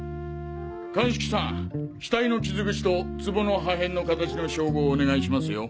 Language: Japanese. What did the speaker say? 鑑識さん死体の傷口とツボの破片の形の照合をお願いしますよ。